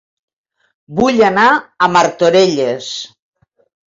Vull anar a Martorelles